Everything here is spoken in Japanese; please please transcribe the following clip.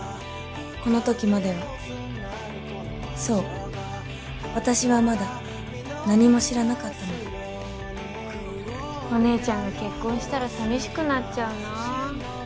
この時まではそう私はまだ何も知らなかったのだお姉ちゃんが結婚したら寂しくなっちゃうな。